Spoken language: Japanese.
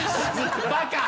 バカ。